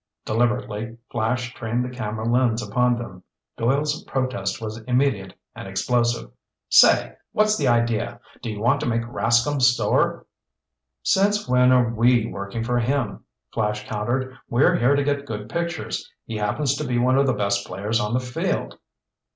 Deliberately, Flash trained the camera lens upon them. Doyle's protest was immediate and explosive. "Say, what's the idea? Do you want to make Rascomb sore?" "Since when are we working for him?" Flash countered. "We're here to get good pictures. He happens to be one of the best players on the field."